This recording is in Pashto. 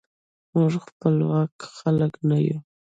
موږ خپواک خلک نه یو.